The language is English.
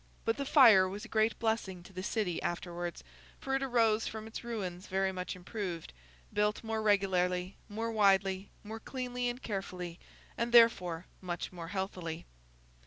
But the Fire was a great blessing to the City afterwards, for it arose from its ruins very much improved—built more regularly, more widely, more cleanly and carefully, and therefore much more healthily.